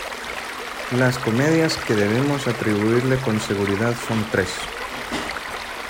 Las comedias que debemos atribuirle con seguridad son tres.